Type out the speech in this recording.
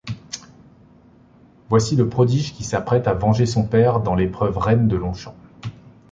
Voici le prodige qui s'apprête à venger son père dans l'épreuve reine de Longchamp.